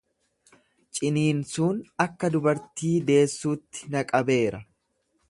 Ciniinsuun akka dubartii deessuutti na qabeera.